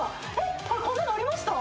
こんなのありました？